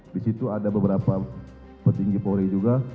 di situ ada beberapa petinggi polri juga